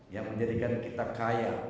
yang menjadikan kita kaya